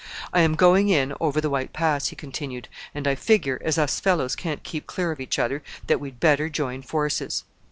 "I am going in over the White Pass," he continued, "and I figure, as us fellows can't keep clear of each other, that we'd better join forces."